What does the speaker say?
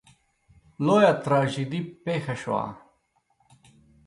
لویه تراژیدي پېښه شوه.